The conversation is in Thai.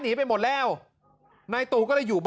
นั่นแหละครับ